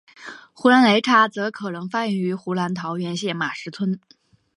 湖南擂茶则可能发源于湖南桃源县马石村。